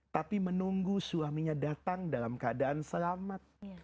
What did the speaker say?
tapi menunggu suaminya datang dalam keadaan selamat